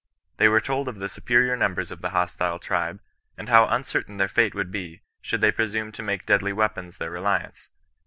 They were told of the superior numbers of the hostile tribe, and how un certain their fate would be, should they presume to make deadly weapons their reliance.